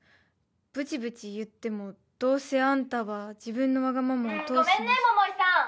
ブチブチ言ってもどうせあんたは自分のわがままをうんごめんね桃井さん